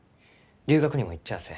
留学にも行っちゃあせん。